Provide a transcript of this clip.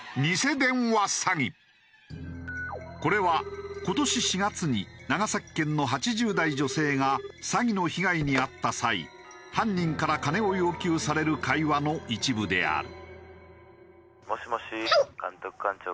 これは今年４月に長崎県の８０代女性が詐欺の被害に遭った際犯人から金を要求される会話の一部である。